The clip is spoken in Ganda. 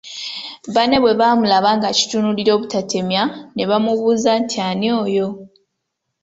Banne bwe bamulaba ng'akitunuulira obutatemya ne bamubuuza nti "Ani oyo?